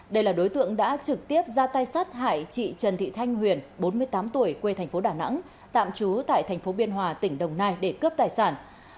đây là đối tượng đã trực tiếp ra tay sát hại chị trần thị thanh huyền bốn mươi tám tuổi quê thành phố đà nẵng tạm trú tại thành phố biên hòa tỉnh đồng nai để cướp tài sản